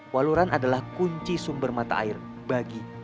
waluran adalah kunci sumber mata air bagi lima kecamatan